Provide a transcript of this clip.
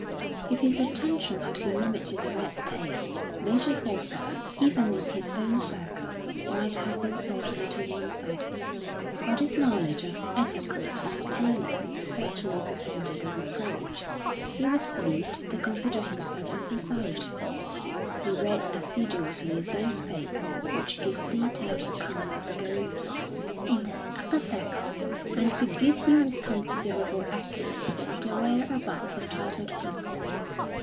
If his attention had been limited to red tape, Major Forsyth, even in his own circle, might have been thought a little one sided; but his knowledge of etiquette and tailors effectually prevented the reproach. He was pleased to consider himself in society; he read assiduously those papers which give detailed accounts of the goings on in the "hupper succles," and could give you with considerable accuracy the whereabouts of titled people.